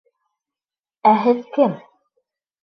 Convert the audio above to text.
— Ә һеҙ кем?